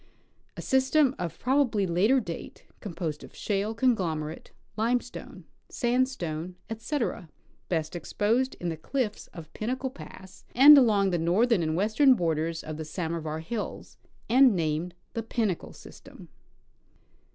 A system of probably later date, composed of shale, con glomerate, limestone, sandstone, etc., best exposed in the cliffs of Pinnacle pass and along the northern and western borders of the Samovar hills, and named the Pinnacle system.